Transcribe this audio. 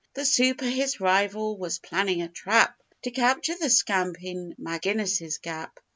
The super, his rival, was planning a trap To capture the scamp in Maginnis's Gap.